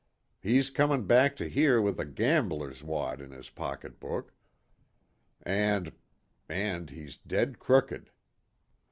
He's comin' back to here with a gambler's wad in his pocketbook, and and he's dead crooked.